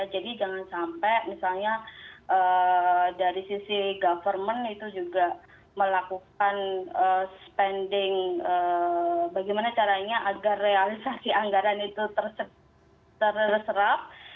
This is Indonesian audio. jadi jangan sampai misalnya dari sisi government itu juga melakukan spending bagaimana caranya agar realisasi anggaran itu terserap